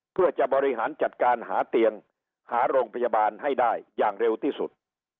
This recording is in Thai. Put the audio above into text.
เพื่อจะบริหารจัดการหาเตียงหาโรงพยาบาลให้ได้อย่างเร็วที่สุด